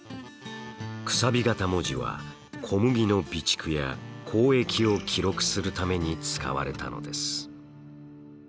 楔形文字は小麦の備蓄や交易を記録するために使われたのです。